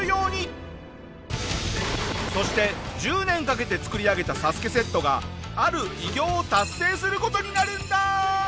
そして１０年かけて作り上げたＳＡＳＵＫＥセットがある偉業を達成する事になるんだ。